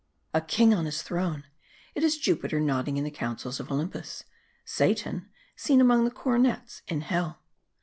A king on his tkronc ! It is Jupiter nodding in the councils of Olympus ; Satan, seen among the coronets in Hell.